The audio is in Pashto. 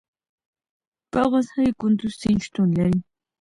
په افغانستان کې کندز سیند شتون لري.